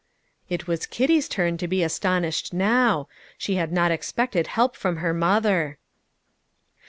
It was Kitty's turn to be astonished now. She had not expected help from her mother.